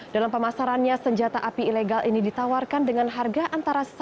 dalam pemasarannya senjata api ilegal ini ditawarkan dengan harga antara satu